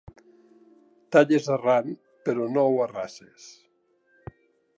Talles arran, però no ho arrases.